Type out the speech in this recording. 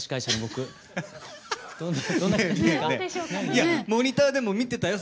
いやモニターでも見てたよ